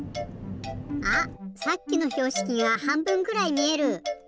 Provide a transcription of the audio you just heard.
あっさっきのひょうしきがはんぶんくらいみえる！